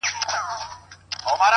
د زمان رحم ـ رحم نه دی؛ هیڅ مرحم نه دی